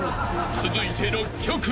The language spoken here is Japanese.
［続いて６曲目］